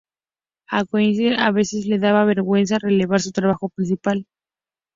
A Weisinger a veces le daba vergüenza revelar su trabajo principal.